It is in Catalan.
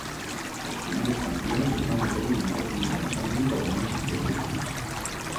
Les primeres campiones es van determinar mitjançant un torneig de vuit equips.